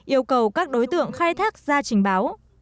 yêu cầu các đối tượng khai thác ra trình báo